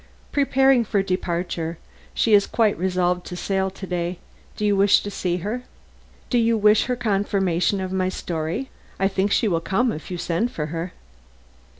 "Preparing for departure. She is quite resolved to sail to day. Do you wish to see her? Do you wish her confirmation of my story? I think she will come, if you send for her."